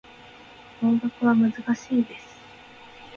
法学は難しいです。